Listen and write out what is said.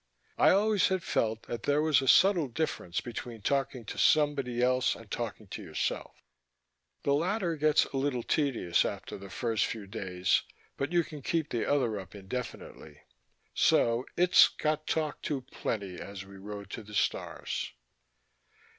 I always had felt that there was a subtle difference between talking to somebody else and talking to yourself. The latter gets a little tedious after the first few days but you can keep the other up indefinitely. So Itz got talked to plenty as we rode to the stars.